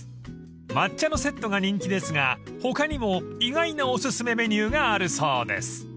［抹茶のセットが人気ですが他にも意外なお薦めメニューがあるそうです］